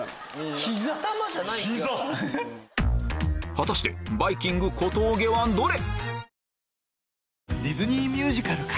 膝⁉果たしてバイきんぐ・小峠はどれ？